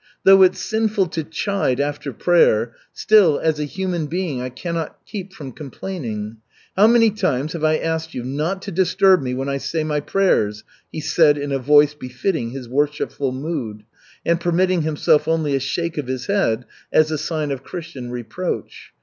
"Though it's sinful to chide after prayer, still as a human being I cannot keep from complaining. How many times have I not asked you not to disturb me when I say my prayers?" he said in a voice befitting his worshipful mood, and permitting himself only a shake of his head as a sign of Christian reproach.